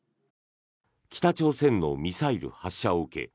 北朝鮮のミサイル発射を受け